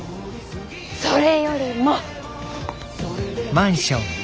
それよりも。